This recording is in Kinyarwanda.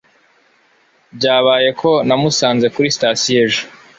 byabaye ko namusanze kuri sitasiyo ejo